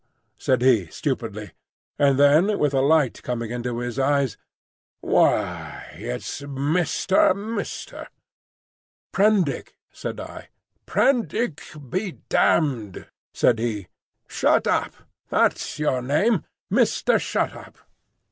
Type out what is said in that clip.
said he, stupidly; and then with a light coming into his eyes, "Why, it's Mister—Mister?" "Prendick," said I. "Prendick be damned!" said he. "Shut up,—that's your name. Mister Shut up."